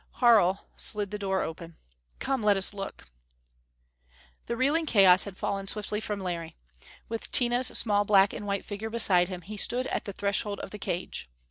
Harl slid the door open. "Come, let us look." The reeling chaos had fallen swiftly from Larry. With Tina's small black and white figure beside him, he stood at the threshold of the cage.